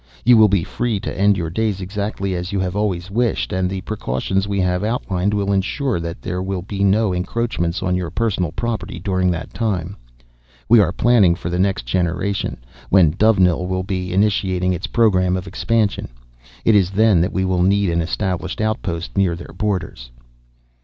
You will be free to end your days exactly as you have always wished, and the precautions we have outlined will ensure that there will be no encroachments on your personal property during that time. We are planning for the next generation, when Dovenil will be initiating its program of expansion. It is then that we will need an established outpost near their borders."